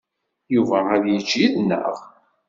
Yuba ad yečč yid-neɣ?